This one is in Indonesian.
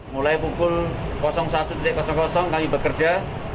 mulai pukul satu kami bekerja